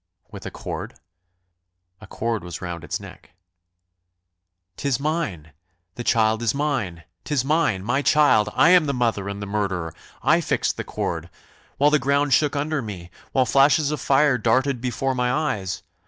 "With a cord? " "A cord was round its neck." "'Tis mine the child is mine 'tis mine my child I am the mother and the murderer I fixed the cord, while the ground shook under me while flashes of fire darted before my eyes!